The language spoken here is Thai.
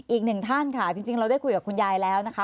อีกหนึ่งท่านค่ะจริงเราได้คุยกับคุณยายแล้วนะคะ